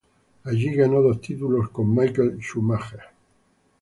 Allí ganó dos títulos con Michael Schumacher.